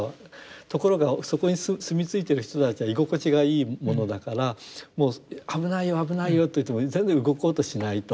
ところがそこに住み着いてる人たちは居心地がいいものだからもう危ないよ危ないよと言っても全然動こうとしないと。